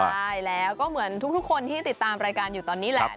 ใช่แล้วก็เหมือนทุกคนที่ติดตามรายการอยู่ตอนนี้แหละ